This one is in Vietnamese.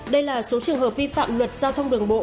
đây là số trường hợp vi phạm luật giao thông đường bộ